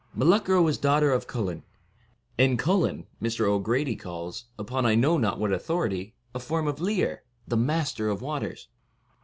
Meluchra was daughter of Cullain; and Cullain Mr. O' Grady calls, upon I know not what authority, a form of Lir, the master of waters.